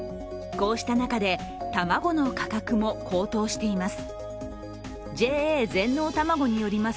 こうした中で卵の価格も高騰しています。